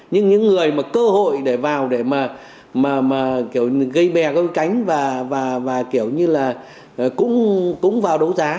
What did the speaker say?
nhưng những người mà cơ hội để vào để mà kiểu gây bè coi cánh và kiểu như là cũng vào đấu giá